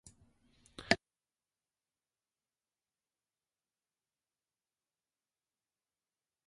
「急がば回れ」って言うし、ここは焦らず慎重に行動しようか。